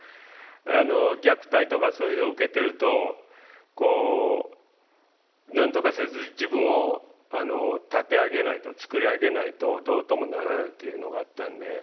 虐待とかそういうのを受けてるとこうなんとかして自分を立て上げないと作り上げないとどうともならないというのがあったんで。